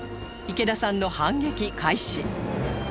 池田さんの反撃開始